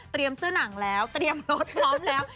เสื้อหนังแล้วเตรียมรถพร้อมแล้ว